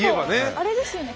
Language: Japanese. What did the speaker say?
あれですよね